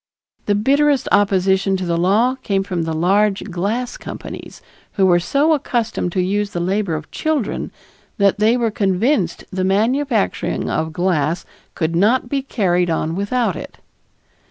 The bitterest opposition to the law came from the large glass companies, who were so accustomed to use the labor of children that they were convinced the manufacturing of glass could not be carried on without it.